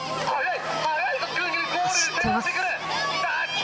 走ってます。